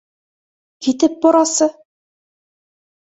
Китеп барасы